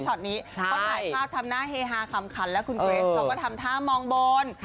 นี้เขาถ่ายภาพทำหน้าเฮฮาขำขันแล้วคุณเกรทเขาก็ทำท่ามองบน